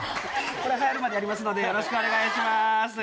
これ、はやるまでやりますので、よろしくお願いします。